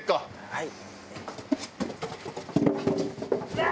はい。